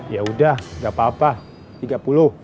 ya udah gak apa apa